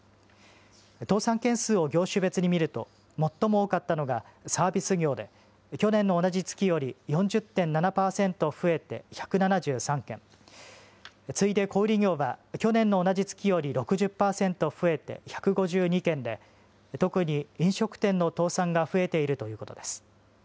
倒産件数を業種別に見ると、最も多かったのがサービス業で、去年の同じ月より４０．７％増えて１７３件、次いで小売業は、去年の同じ月より６０％増えて１５２件で、特に飲食店の倒産が増えているということです。